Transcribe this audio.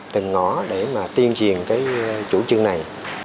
phòng ngừa và bảo vệ trẻ em đối nước thương tâm